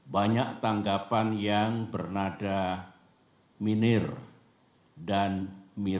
banyak tanggapan yang bernada minir dan mirip